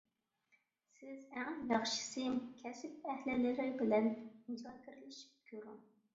سىز ئەڭ ياخشىسى كەسىپ ئەھلىلىرى بىلەن مۇزاكىرىلىشىپ كۆرۈڭ.